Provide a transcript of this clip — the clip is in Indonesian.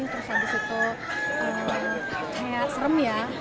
terus habis itu kayak serem ya